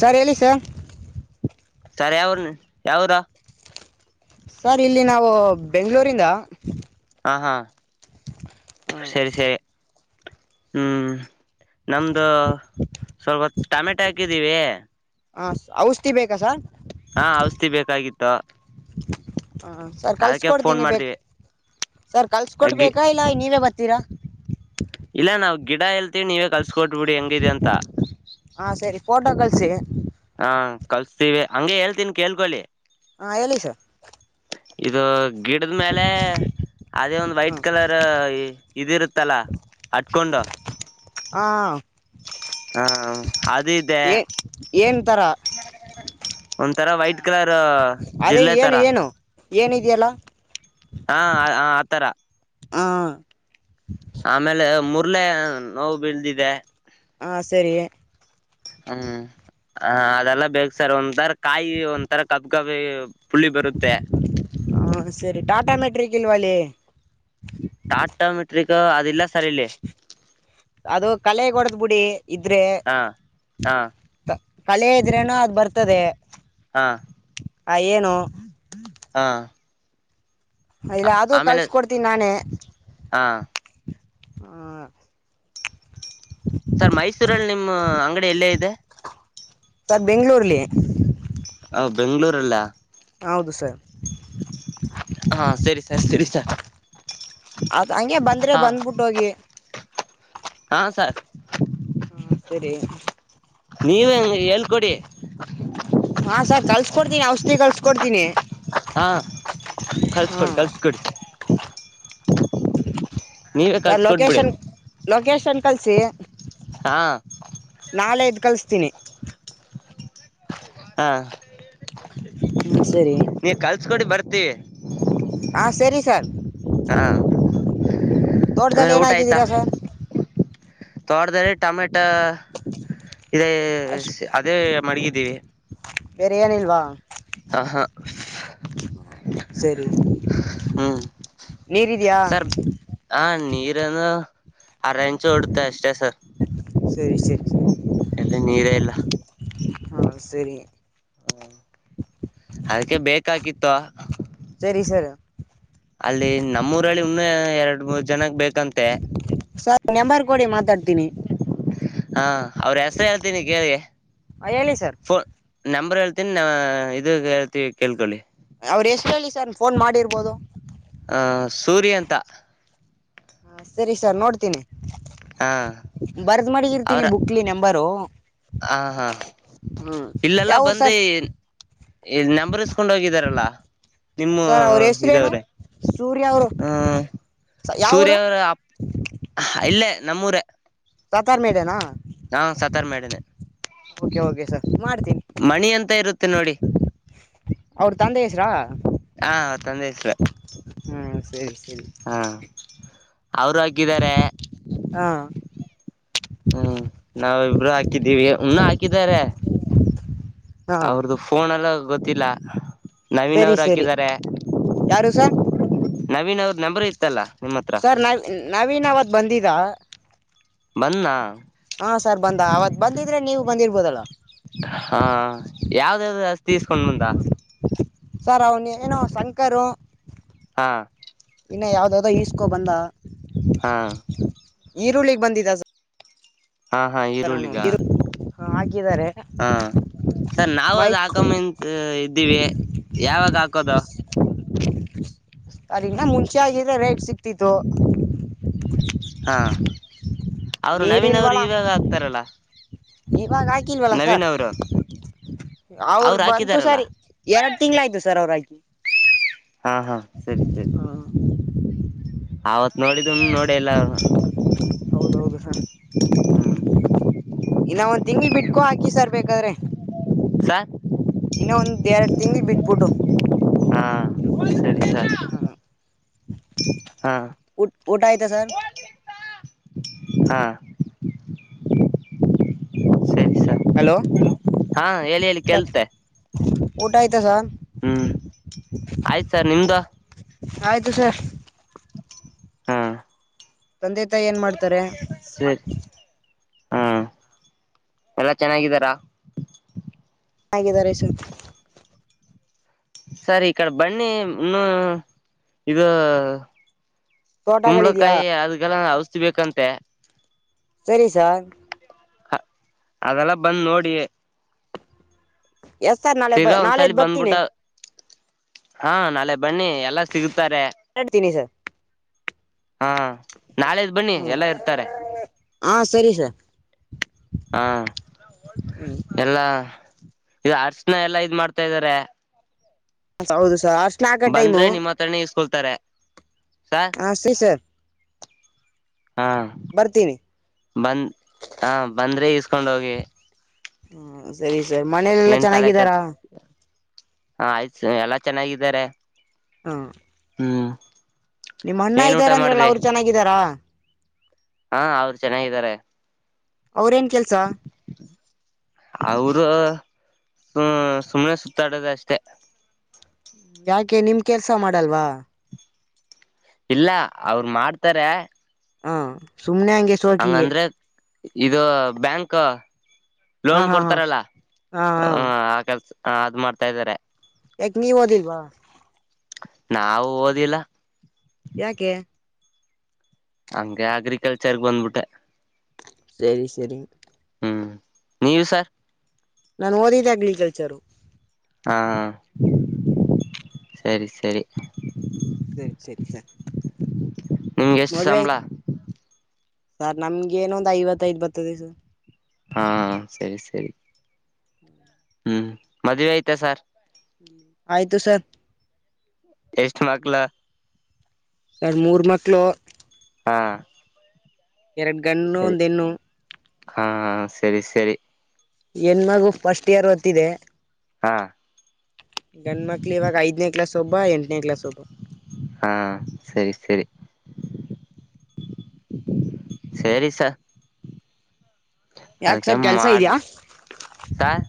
sir ಹೇಳಿ sir ಸರಿ ಯಾವ್ರನು ಯಾವದ ಸರ್ ಇಲ್ಲಿ ನಾವು ಬೆಂಗಗಳೂರಿಂದ ಹ ಹಾ ಸರಿ ಸರಿ ಹ್ಮ್ ನಮ್ದು ಸ್ವಲ್ಪ ಟೊಮೆಟೊ ಹಾಕಿದೀವಿ ಹ ಔಷಧಿ ಬೇಕು ಹ ಔಷಧಿ ಬೇಕಾಗಿತ್ತು ಹಾಂ ಸರ್ ಅದಕ್ಕೆ ಫೋನ್ ಕಳ್ಸ್ಕೊಡ್ತೀನಿ ಬೇಕು ಮಾಡ್ದೀವಿ ಸರ್ ಗಿ ಕಲ್ಸಕೊಡ್ಬೇಕಾ ಇಲ್ಲ ನೀವೇ ಬತೀರಾ ಇಲ್ಲ ನಾವ್ ಗಿಡ ಹೇಳ್ತೀವಿ ನೀವೇ ಕಲ್ಸ್ಕೊಟ್ಬಿಡಿ ಹೆಂಗಿದೆ ಅಂತ ಸ ಹಾ ಕಲ್ಸ್ತೀವಿ ಹಂಗಗೆ ಹೇಳ್ತೀನ್ಿ ಕೇಳ್ಕೊೊಳ್ಳಿ ಹಾ ಹೇಳಿ ಸ ಇದು ಗಿಡದ ಮೇಲೆ ಅದೇ ಒಂದು್ ಹ್ಞೂ ವೈಟ್ ಕಲರ್ ಇದಿರುತ್ತೆ ತಲ ಹಟ್ಕೊಂಡ ಹ ಹಾ ಹ ಅದು ಇದೆ ಏ ಏನ್ ತರ ಒಂಥರ ವೈಟ್ ಕಲರ್ ಅದೇ ಜಿರ್ಲೆ ಏನು ತರ ಏನು ಏನಿದೆಯಲ್ಲ ಹಾ ಆ ತರ ಹ ಆಮೇಲೆ ಮುರ್ಳ ನೋವು ಬೀಳದಿದೆ ಹಾ ಸರಿ ಹ್ಮ್ ಹ ಅದೆಲ್ಲ ಬೇಕು ಸರ್ ಒಂಥರ ಕಾಯಿ ಒಂತರ ಕಬ್ ಕಬಿ ಪುಳ್ಳಿ ಬರುತ್ತೆ ಹ ಸರಿ ಟಾಟಾ ಮೆಟ್ರಿಕ ಇಲ್ವಾಲಿ ಟಾಟಾ ಮೆಟ್ರಿಕ ಅದಲ್ಲ ಅದು ಕಲೆ ಹೊಡದ್ ಬಿಡಿ ಇದ್ರೆ ಹಾ ಹಾ ಕಲೆ ಇದ್ರೇನ ಅದು ಬರ್ತದೆ ಹಾ ಆ ಏನು ಹಾ ಇಲ್ಲ ಅೂ ಕಲ್ಸಕ ಕೊಡ್ತೀನಿ ನಾನೇ ಹಾಂ ಆ ಸರ್ ಮೈಸೂರಲ್ಲಿ ನಿಮಮ್ಮ್ ಅಂಗಡಿ ಎಲ್ಲೇ ಇದೆ ಸರ್ ಬೆಂಗ್ಗಳೂರ್ಲಿ ಬೆಂಗ್ಗಳೂರಲ್ಲ ಹೌದು ಸರ್ ಹಾ ಸರಿ ಸರ್ ಸರಿ ಸರ್ ಅೌದ ಹಂಗೆ ಬಂದ್ರೆ ಹಾ ಬಂದ್ಬಿಟ್ಟ ಹೋಗಿ ಹಾ ಸರ್ ಹಾ ಸರಿ ನೀವ ಹೇಳ್ಕೊಡಿ ಹ್ಹ ಹಾ ಸರ್ ಕಲ್ಸ್ಕೊಡ್ತೀನಿ ಔಷಧಿ ಕಲ್ಸ್ಕೊಡ್ತೀನಿ ಕಲ್ಸ್ಕಡ್ ಕಲ್ಸ್ಕಡಿ ನೀವೇ ಸರ್ ಕಳ್ಸ್ಕೊಡ್ಬಿಡಿ ಲೊಕೇಶನ್ ಲೊಕೇಶನ್ ಕಲ್ಸ ಹಾ ನಾಾಲೆ ಇದದ್ ಕಲ್ಸ್ತೀನಿ ಹಾ ಹ್ಮ ಸರಿ ಕಡಿ ಬರ್ತೀವಿ ಹಾ ಸರಿ ಸರ್ ಹಾ ತೋಟದಲ್ಲಿ ಏನಾಗಿದ್ದೀರಾ ಸ ತೋಡ್ದಾರೆ ಟಮೆಟ ಪಟ್ಟ ಇದೇ ಅಷ್ಟ್ ಅದೇ ಮಡಗಿದ್ದೀವಿ ಬರಿ್ಯಾಣಿಿಲ್ಲಲ್ವಾ ಹ ಸರಿ ಹ್ಮ್ ನೀರ್ ಇದಯಾ ಎನ್ನು ಅರ ಇಂಚು ಹೊಡುತ್ತೆ ಅಷ್ಟೇ ಸರ್ ಸರಿ ಸರಿ ಎಲ್ಲಿ ನೀರೇ ಇಲ್ಲ ಹ ಸರಿ ಅದಕ್ಕೆ ಬೇಕಾಗಿತ್ತು ಸರಿ ಸರಿ ಅಲ್ಲಿ ನಮ್ಮೂಊರಲ್ಲಿಿ ಇನ್ನ ಎರಡ್ ಮೂರ್ ಜನಗ್ ಬೇಕ ಸರ್ ನೆಂಬರ್ ಕೋಡೆ ಮಾತಾಡ್ತೀನಿ ಹಾ ಅವ್ರ ಹೆಸರು ಹೇಳ್ತೀನಿ ಕೇಳಗೆ ಹ ಹೇಳಿ ಸರ್ ಫೋನ್ ನಂಬರ್ ಹೇಳ್ತ ನ್ ಇದ ಹೇಳ್ತಿವಿ ಕೇಳ್ಕೊಳ್ಳಿ ಅವ್ರು ಎಷ್ಟು ಹೇಳಿ ಸರ್ ಫೋನ್ ಮಾಡಿರ್ಬೋದು ಹಹ ಸೂರ್ಯ ಅಂತ ಹಾ ಸರಿ ಸರ್ ನೋಡ್ತೀನಿ ಹ ಬರ್ದ್ ಮಗಿ ಅವ್ರ ಇರ್ತೀನಿ ಬುಕ್ಲಿ ನಂಬರು ಹ ಹಾ ಹ್ಮ್ ಇಲ್ಲೆಲ್ಲ ಯಾವೂರು ಬಂದು ಸರ್ ನಂಬರ್ ಕಕೊಂಡ್ ಹೋಗಿದಾರಲ್ಲ ನಿಮ್ಮ ಸರ್ ಅವ್ರ ಹೆಸ್ರೇನು ಇದವ್ರೆ ಸೂರ್ಯ ಅವರು ಹ್ಮ ಸೂರ್ಯ ಯಾವೂರು ಅವರ ಅ ಇಲ್ಲೇ ನಮ್ಮೂರ ಸಾತಾರ್ ಮೇಲೆನಾ ನಾ ಸತಾರ್ ಮಾಡನೆ ಓಕೆ ಓಕೆ ಸರ್ ಮಾಡ್ತೀನಿ ಮಣಿ ಎಂತ ಇರುತ್ತೆ ನೋಡಿ ಅವ್ರ ತಂದ ಹೆಸ್ರಾ ಹಾ ತಂದೆ ಇಸ್ರ ಹ್ಮ ಸರಿ ಸರಿ ಅವರು ಹಾಕಿದ್ದಾರೆ ಹಾ ಹ್ಮ್ ನಾವಿಬರು ಹಾಕಿದ್ದೀವಿ ಇನ್ನ ಹಾಕಿದಾರ ಹಾ ಅವ್ರ್ದು ಫೋನ್ ಎಲ್ಲ ಗೊತ್ತಿಲ್ಲ ನವೀನ್ ಸರಿ ಅವರು ಸರಿ ಹಾಕಿದ್ದಾರೆ ಯಾರು ಸರ್ ನವೀನ್ ಅವ್ರ ನಂಬರ್ ಇ ಇತ್ತಲ್ಲ ನಿಮ್ಮ ಹತ್ರ ಸರ್ ನವ್ ನವೀನ್ ಅವತ್ ಬಂದಿದ್ದ ಬಂದ ಹಾ ಸರ್ ಬಂದ ಅವತ್ ಬಂದಿದ್ರೆ ನೀವು ಬಂದಿರ್ಬೋದಲ್ಲ ಹಾ ಯಾವ್ದ್ದ ತಸ್ಕೊಂಡ್ ಬಂದ ಸರ್ ಅವನುಿ ಏನೋ ಶಂಕರು ಹಾ ಇನ್ನ ಯಾವ್ದಾವ್ದೋ ಈಸ್ಕೊ ಬಂದ ಹಾ ಈರುಳ್ಳಗ್ ಬಂದಿದ್ದ ಹಾ ಹಾ ಸರ್ ಅವನು ಈರುಳ್ಳಿಗ ಹಾಕಿದ್ದಾರೆ ಹಾ ಸರ್ ನಾವವು ಅದ ಮೈಕ್ ಹಾಕಂಬಂತ ಇದ್ದೀವಿ ಯಾವಾಗ ಹಾಕೋದು ಅದಗ ಮುಂಚೆ ಆಗ್ರ ರೇಟ್ ಸಿಕ್ತಿತ್ತು ಹಾ ಅವ್ರು ನೀರ್ ನವೀನ್ವ್ರು ಇಲ್ವಲ್ಲ ಇವಾಗ ಆಗ್ತಾರಲ್ಲ ಾಗ ಆಯಕಲ್ ವಲ ಸರ್ ಅವರು ಅವ್ರು ಬಂತು ಹಾಕಿದಾರಲ್ಲ ಸರ್ ಎರಡು ತಿಂಗ್ಳಾಯ್ತು ಸರ್ ಅವ್ರಾಕಿ ಹಾ ಹಾ ಸರಿ ಸರಿ ಆವತ್ ನೋಡಿದ ನೋಡಿ ಎಲ್ಲ ಹ್ಮ್ ಹೌದೌದು ಸರ್ ಇನ್ನ ಒಂದ್ ತಿಂಗಳ ಬಿಟ್ಕೊ ಹಾಕಿ ಸರ್ ಬಾದ್ರೆ ಸರ್ ಇನ್ನ ಒಂದ ಎರಡು ತಿಂಗ್ಳ ಬಿಟ್ಬಿಟ್ಟು ಹಾ ಸರಿ ಸರಿ ಹಾ ಊ ಊಟ ಆಯ್ತಾ ಸರ್ ಹಾಂ ಸರಿ ಸರ್ ಹಲೋ ಹಾ ಎಿ ಹೇಳಿ ಸರ್ ಕೇಳ್ತೆ ಊಟ ಆಯ್ತಾ ಸರ್ ಹ್ಮ್ ಆಯ್ತ ಸರ್ ನಿಮ್ದು ಆಯ್ತು ಸರ್ ಹಾ ತಂದೆ ತಾಯಿ ಏನ್ ಮಾಡ್ತಾರೆ ಸರಿ ಹಾ ಎಲ್ಲಾ ಚೆನ್ನಾಗಿದ್ದಾರಾ ಹಾಗಗಿದ್ದಾರೆ ಸ ಸರಿ ಈ ಕಡೆ ಬನ್ನಿ ಇನ್ನುೂ ಇದು ತೋಟಗಳಿದ್ಯಾ ಕುಂಬಳಕಾಯಿ ಅದಗೆಲ್ಲ ಔಷಧಿಬೇಕಂತೆ ಸರಿ ಸಾರ್ ಹ ಅದೆಲ್ಲ ಬಂದ್ ನೋಡಿ ಎಸ್ ಸರ್ ನಾಳೆ ಬ ತಿರ್ಗಾ ಒಂದ್ಸಲಿ ನಾಳೆದ್ ಬರ್ತೀನಿ ಬಂದ್ಬಿಟ್ಟ ಹಾ ನಾಳೆ ಬನ್ನಿ ಎಲ್ಲ ಸಿಗುತ್ತಾರೆ ಹೇಳ್ತೀನಿ ಸರ್ ಹಾ ನಾಳೆದ್ ಬನ್ನಿ ಹ್ಮ ಎಲ್ಲಾ ಇರ್ತಾರೆ ಹಾ ಸರಿ ಸರ್ ಹಾ ಹ್ಮ್ ಎಲ್ಲಾ ಈದು ಅರ್ಶನಾ ಎಲ್ಲಾ ಇದ್ ಮಾಡ್ತಾ ಇದ್ದಾರೆ ಹ ಹೌದು ಸ ಬಂದ್ರೆ ನಿಮ್ಮ ಹತ್ರನೇ ಇಸ್ಕೊಳ್ತಾರೆ ಸಾರ್ ಹಾ ಸರಿ ಸರ್ ಹಾ ಬರ್ತೀನಿ ಬಂದ್ ಹ ಬಂದ್ರೆ ಇಸ್ಕೊಂಡ ಹೋಗಿ ಹ್ಮ ಸರಿ ಸರ್ ಮನೇಲೆಲ್ಲಾ ಏನ್ ತಲೆ ಕಟ್ಟ ಚೆನ್ನಾಗಿದ್ದಾರಾ ಹ ಆಯ್ತು ಎಲ್ಲ ಚೆನ್ನಾಗಿದ್ದಾರೆ ಹಾ ಹ್ಮ್ ನಿಮ್ಮ ಅಣ್ಣ ಏನ್ ಊಟ ಇದ್ದಾರೆ ಅಂದ್ರಲ್ಲ ಮಾಡಿದ್ರಿ ಅವ್ರು ಚೆನ್ನಾಗಿದ್ದಾರಾ ಹಾ ಅವ್ರು ಚೆನ್ನಾಗಿದ್ದಾರೆ ಅವ್ರೇನ್ ಕೆಲ್ಸ ಅವರು ಹ ಸುಮ್ನೆ ಸುತ್ತಾಡೋದ ಅಷ್ಟೆ ್ಮ ಯಾಕೆ ನಿಮ ಕೆಲ್ಸ ಮಾಡಲ್ವಾ ಇಲ್ಲ ಅವರು ಮಾಡ್ತಾರ ಹಾ ಸುಮ್ನೆ ಹಂಗೆ ಸೋಕಿಗೆ ಇದು ಬ್ಯಾಂಕ್ ಹ ಲೋನ್ ಹಾ ಹಾ ಕೊಡ್ತಾರಲ್ಲ ಹಾ ಹಾ ಆ ಕೆಲಸ ಹ ಅದ್ ಮಾಡ್ತಾ ಇದಾರೆ ಯಾಕ ನೀವವಓದಿಲ್ವಾ ನಾಾವವು ಓದಿಲ್ಲ ಯಾಕೆ ಹಂಗೆ ಅಗ್ರಿಕಲ್ಚರ್ಗೆ ಬಂದ್ಬಿಟ್ಟೆ ಸರಿ ಸರಿ ಹ್ಮ್ ನೀವು ಸರ್ ನಾನು ಓದಿದ್ದೆ ಅಗ್ರಿಕಲ್ಚರು ಹಾ ಸರಿ ಸರಿ ಸರಿ ಸರಿ ಸರ್ ನಿಮ್ಗೆ ಎಷ್ಟು ಮದ್ವೆ ಸಂಬಳ ಆಯ್ತು ಸರ್ ನಮ್ಗೆ ಏನ ಒಂದ್ ಐವತ್ತ ಐದ್ ಬರ್ತದೆ ಸರ್ ಹಾ ಸರಿ ಸರಿ ಹ್ಮ್ ಹ್ಮ್ ಮದ್ುವೆ ಐತೆಾ ಸಾರ್ ಆಯ್ತು ಸರ್ ಎಷ್ಟ ಮಕ್ಳ ಸರ್ ಮೂರ್ ಮಕ್ಳು ಹಾ ಎರಡು ಗಣು ಸರಿ ಒಂದ ಹೆಣ್ಣು ಹಾ ಸರಿ ಸರಿ ಎನ್ ಮಗು ಫಸ್ಟ್ ಇಯರ್ ಹೊತ್ತಿದೆ ಹಾ ಗಂಡ ಮಕ್ಳ ಇವಾಗ ಐದನೇ ಕ್ಲಾಸ್ ಒಬ್ಬ ಎಂಟನೇ ಕ್ಲಾಸ್ ಒಬ್ಬ ಹಾ ಸರಿ ಸರಿ ಸರಿ ಸ ಯಾಕ ಸರ್ ಕೆಲ್ಸ ಇದ್ಯಾ ಸಾರ್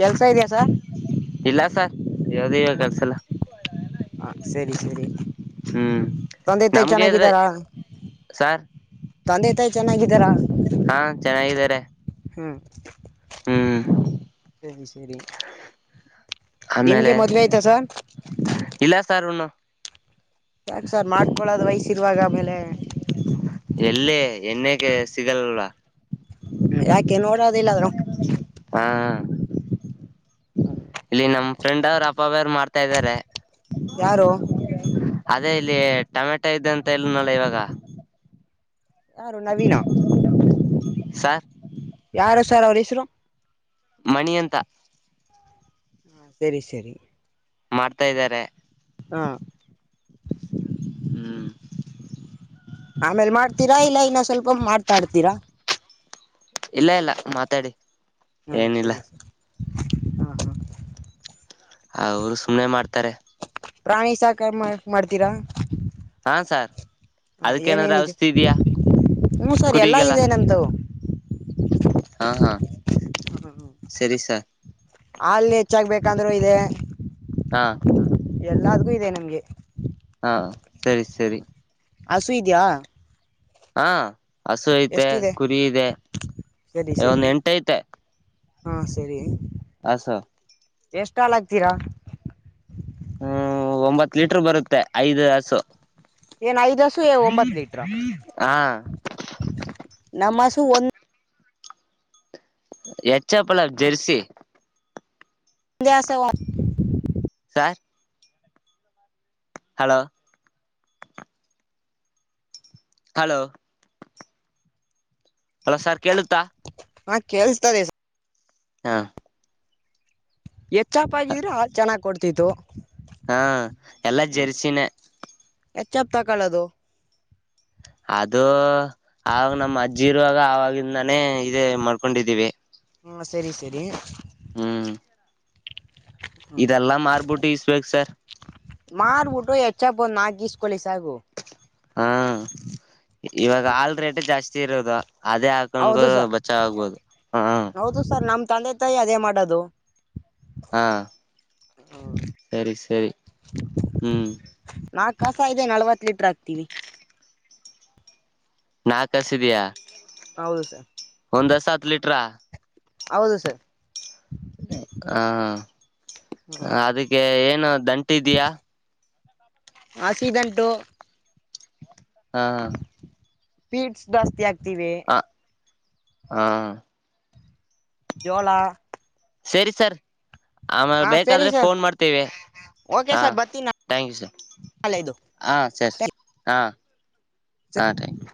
ಕೆಲ್ಸ ಇದ್ಯಾ ಸರ್ ಇಲ್ಲ ಸರ್ ಯಾವ್ದ ಇವ ಕೆಲ್ಸಲ್ಲ ಹಾ ಸರಿ ಸರಿ ಹ್ಮ್ ತೊಂದ ತ ನಮ್ಗೆ ಇದ್ರೆ ಚೆನ್ನಾಗಿದ್ದಾರಾ ಸಾರ್ ತಂದೆತಾಯಿ ಚೆನ್ನಾಗಿದ್ದಾರ ಹಾ ಹೂ ಹೂ ಸರಿ ಸರಿ ಆಮೇಲೆ ನಿಮ್ಗೆ ಮದ್ವೆ ಆಯ್ತಾ ಸರ್ ಇಲ್ಲ ಸಾರ್ನ್ನು ಯಾಕ್ ಸರ್ ಮಾಡ್ಕೊಳದ ವಯಸ್ಸ ಇರುವಾಗ ಆಮೇಲೆ ಎಲ್ಲೇ ಎಣ್ಣೇಕ ಸಿಗಲ್ಲಲ್ವಾ ್ಮ ಯಾಕೆ ನೋಡೋದಿಲ್ಲಾದ್ರೂ ಹಾ ಇಲ್ಲಿ ನಮ್ ಫ್ರೆಂಡ್ ಅವ್ರು ಅಪ್ಪಬ್ಯ್ರು ಮಾಡ್ತಾ ಇದ್ದಾರೆ ಯಾರು ಅದೇ ಇಲ್ಲಿ ಟೊಮೆಟೊ ಇದೆ ಅಂತ ಎಲ್ಲ ನಲ್ಲ ಇವಾಗ ಯಾರು ನವೀನಾ ಸಾರ್ ಯಾರು ಸಾರ್ ಅವರ ಹೆಸರ ಮಣಿ ಅಂತ ಹಾ ಸರಿ ಸರಿ ಮಾಡ್ತಾ ಇದ್ದಾರೆ ಹಾ ಹೂ ಆಮೇಲ್ ಮಾಡ್ತೀರಾ ಇಲ್ಲ ಇನ್ನ ಸ್ವಲ್ಪ ಮಾಡ್ತಾಡ್ತೀರಾ ಇಲ್ಲ ಇಲ್ಲ ಮಾತಾಡಿ ಏನಿಲ್ಲ ಹಾ ಹಾ ಅವರು ಸುಮ್ಮನೆ ಮಾಡ್ತಾರೆ ಪ್ರಾಣಿ ಸಾಕ ಮಾಡ್ತೀರಾ ಹಾ ಸಾರ್ ಹ ಅದಕ್ಕೇನಾದ್ರ ಏನೇನಿದೆ ಔಷಧಿ ಇದೆಯಾ ಹೂ ಸರ್ ಎಲ್ಲಾ ಕುರಿಗೆಲ್ಲ ಇದೆ ನಮ್ದ ಹಾ ಹಾ ಸರಿ ಸರ್ ಹಲ್ ಹೆಚ್ಚಾಗಬೇಕಂದ್ರರು ಇದೆ ಹಾ ಎಲ್ಲಾದ್ಗೂ ಇದೆ ನಮ್ಗೆ ಹ ಸರಿ ಸರಿ ಹಸು ಇದೀಯ ಹಾ ಹಸು ಐತೆ ಕುರಿ ಇದೆ ಒಂದ ಎಂಟು ಐತೆ ಹೂ ಸರಿ ಆಸ ಎಷ್ಟ ಹಲ್ಹಾಕ್ತೀರ ಹೂ ಒಂಬತ್ತು ಲೀಟರ್ ಬರುತ್ತೆ ಐದುಹಸು ಏನ್ ಐದಸು ಒಂಬತ್ ಲೀಟ್ರ ಹಾ ನಮಸ್ ಒಂದು ಎಚ್ಚ ಪಲ ಜೆರ್ಸಿ ಂದ ಸ ವ sir hello hello hello sir ಕೇಳುತ್ತಾ ಹಾ ಕೇಳ್ಸ್ತಾರೆ ಹಾ ಹೆಚ್ಚಪ್ ಆಗಿದ್ರೆ ಹಾಲ್ ಚೆನ್ನಾಗ್ ಕೊಡ್ತಿತ್ತು ಹಾ ಎಲ್ಲಾ ಜರ್ಸಿನೇ ಎಚ್ಚಪ್ ತಗುಲೋದು ಅದೋ ಅದು ಆಾಗ ನಮ್ಮ ಅಜ್ಜಿ ಇರುವಾಗ ಆವಾಗಿಂದಾನೇ ಇದೇ ಮಾಡ್ಕೊಂಡಿದ್ದೀವಿ ಹೂ ಸರಿ ಸರಿ ಹ್ಮ್ ಹ್ಮ್ ಇದೆಲ್ಲಾ ಮಾರ್ಬಿಟ್ಟು ಇಸ್ಬೇಕೇ ಸರ್ ಮಾರ್ಬಿಟ್ಟರು ಹೆಚ್ಚ ಬ ಒಂದ ನಾಗಸ್ಕಳ ಹಾ ಇವಾಗ ಹಾಲ್ ರೇಟ ಜಾಸ್ತಿ ಇರೋದು ಅದೇ ಹಾಕೊಂಡಗು ಹೌದು ಸರ್ ಬಚ್ಚಾವ ಆಗ್ಬೋದು ಹ ಹೌದು ಸರ್ ನಮ್ ತಂದೆ ತಾಯಿ ಅದೇ ಮಾಡೋದು ಹಾ ಸರಿ ಸರಿ ಹ ಹ್ಮ್ ನಾಕ್ ಕಸ ಇದೆ ನಲ್ವತ್ ಲೀಟ್ರ ವಿ ನಾಕ್ ಹಸಿದಯ ಹೌದು ಸರ್ ಒಂದ್ಸ ಹತ್ತು ಲೀಟ್ರಾ ಹೌದು ಸರ್ ಹಾ ಹ್ಮ್ ಅದಕ್ಕೆ ಏನು ದಂಟ ಇದಯಾ ಆಸಿಡೆಂಟು ಹಾ ಹ ಪೀಡ್ಸ್ ಜಾಸ್ತಿ ಆಗ್ತಿವಿ ಹಾ ಜೋಳಾ ಸರಿ ಸರ್ ಆಮೇಲೆ ಸರಿ ಬೇಕಾದ್ರೆ ಸರ್ ಫೋನ್ ಮಾಡ್ತೇವೆ ಓಕೆ ಹಾ ಸರ್ ಬರ್ತೀನಿ ಥಾಂಕ್ ಯು ಸರ್ ನಾಳೆ ಇದು ಹ ಸರಿ ಹಾ ಹಾ ಾಕ್ ಯು